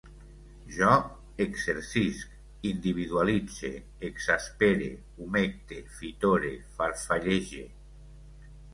Jo exercisc, individualitze, exaspere, humecte, fitore, farfallege